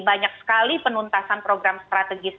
banyak sekali penuntasan program strategis